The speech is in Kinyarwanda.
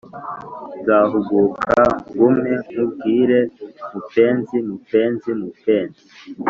nzahuguka ngume nkubwiremupenzi mupenzi mupenzi